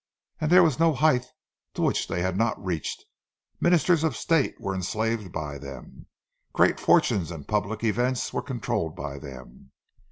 And there was no height to which they had not reached—ministers of state were enslaved by them; great fortunes and public events were controlled by them.